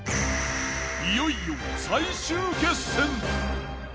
いよいよ最終決戦。